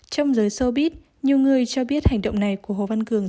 trong giới sobit nhiều người cho biết hành động này của hồ văn cường